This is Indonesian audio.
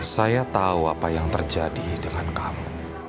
saya tahu apa yang terjadi dengan kamu